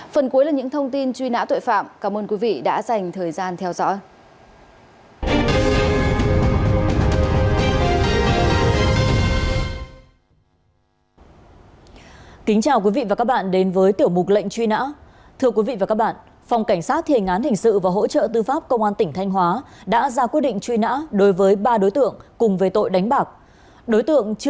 phần cuối là những thông tin truy nã tội phạm cảm ơn quý vị đã dành thời gian theo dõi